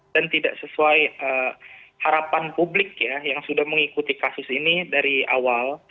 dan tidak sesuai harapan publik yang sudah mengikuti kasus ini dari awal